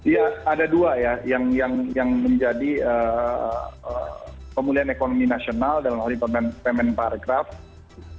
ya ada dua ya yang menjadi pemulihan ekonomi nasional dalam hal ini pemen parekraf